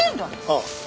ああ。